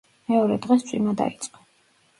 მეორე დღეს წვიმა დაიწყო.